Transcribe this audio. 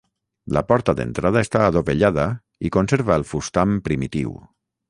La porta d'entrada està adovellada i conserva el fustam primitiu.